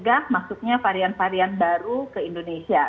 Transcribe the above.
untuk apa untuk maksudnya varian varian baru ke indonesia